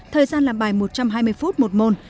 thời gian làm bài một trăm hai mươi phút một môn